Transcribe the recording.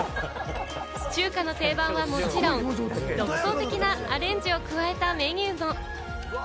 中華の定番はもちろん、独創的なアレンジを加えたメニューも。